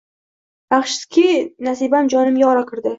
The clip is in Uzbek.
Yaxshiki, Nasibam jonimga oro kirdi